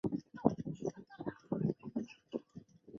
贝尔卢。